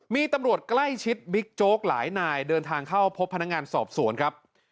มีตำรวจใกล้ชิดบิ๊กโจ๊กหลายนายเดินทางเข้าพบพนักงานสอบสวนครับ